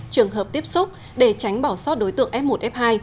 trường hợp tiếp xúc để tránh bỏ sót đối tượng f một f hai